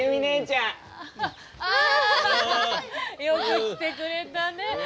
よく来てくれたね。